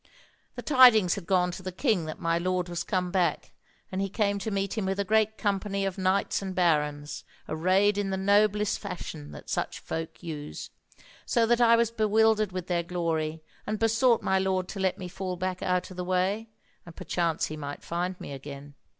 The tidings had gone to the king that my lord was come back, and he came to meet him with a great company of knights and barons, arrayed in the noblest fashion that such folk use; so that I was bewildered with their glory, and besought my lord to let me fall back out of the way, and perchance he might find me again.